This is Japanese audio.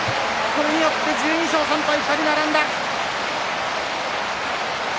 これによって１２勝３敗で２人が並びました。